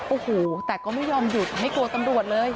โอ้โหแต่ก็ไม่ยอมหยุดไม่กลัวตำรวจเลย